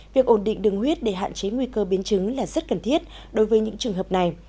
việc ổn định đường huyết để hạn chế nguy cơ biến chứng là rất cần thiết đối với những trường hợp này